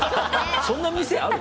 そんな店ある？